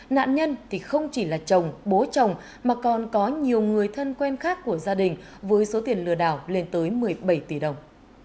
nạn nhân thì không chỉ là chồng bố chồng mà còn có nhiều người thân quen khác của gia đình với số tiền lừa đảo lên tới một mươi bảy tỷ đồng